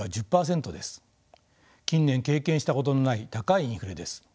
近年経験したことのない高いインフレです。